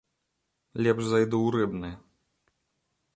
Лепш зайду ў рыбны.